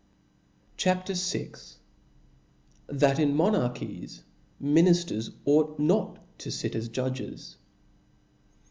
C H A P. VL T^hat in Monarchies Minijiers ought not to fit as Judges.